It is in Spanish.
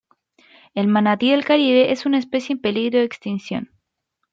El manatí del Caribe es una especie en peligro de extinción.